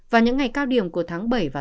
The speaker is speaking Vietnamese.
và những ngày cao điểm của tháng bảy và